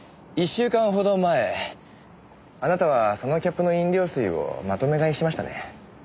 １週間ほど前あなたはそのキャップの飲料水をまとめ買いしましたね？